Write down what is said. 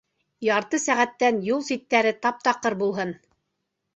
Ярты сәғәттән юл ситтәре тап-таҡыр булһын!